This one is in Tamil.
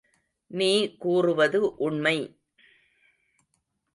நீ கூறுவது உண்மை?